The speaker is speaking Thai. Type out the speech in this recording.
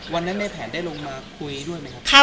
วันนั้นในแผนได้ลงมาคุยด้วยไหมครับ